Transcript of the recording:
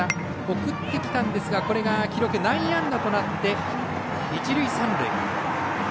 送ってきたんですが記録、内野安打となって一塁三塁。